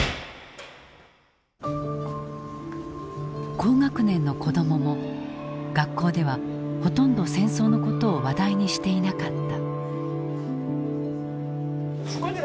高学年の子どもも学校ではほとんど戦争のことを話題にしていなかった。